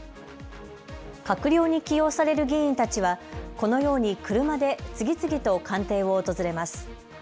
閣僚に起用される議員たちは、このように車で次々と官邸を訪れます。